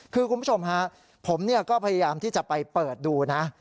คือคุณผู้ชมฮะผมก็พยายามที่จะไปเปิดดูนะ